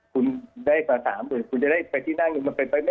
คุณได้กว่า๓บื่นคุณจะได้ไปที่นั่งมันไปไม่ได้